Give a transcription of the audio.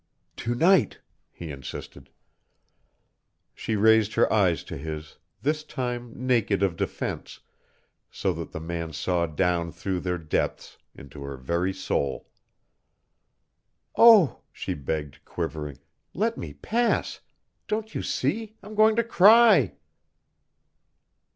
"To night," he insisted. She raised her eyes to his, this time naked of defence, so that the man saw down through their depths into her very soul. "Oh," she begged, quivering, "let me pass. Don't you see I'm going to cry!"